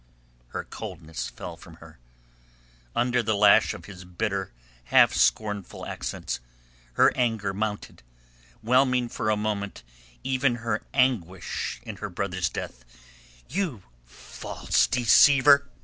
Her coldness fell from her. Under the lash of his bitter, half scornful accents, her anger mounted, whelming for a moment even her anguish in her brother's death. "You false deceiver!"